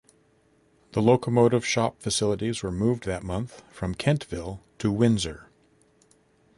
The locomotive shop facilities were moved that month from Kentville to Windsor.